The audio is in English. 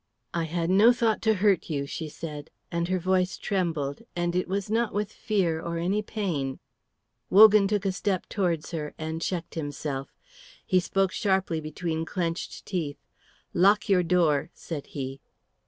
"I had no thought to hurt you," she said, and her voice trembled, and it was not with fear or any pain. Wogan took a step towards her and checked himself. He spoke sharply between clenched teeth. "Lock your door," said he.